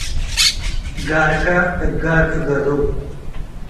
ጋርከ እብ ጋር ፍገሩ።